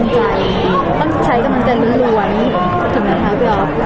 ต้องใช้กำลังใจรุ่นถึงไหนคะพี่ออฟ